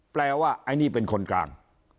แปลว่าไอ้นี่เป็นคนกลาง